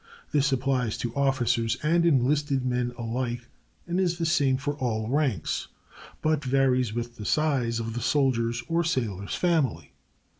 _ This applies to officers and enlisted men alike, and is the same for all ranks, but varies with the size of the soldier's or sailor's family.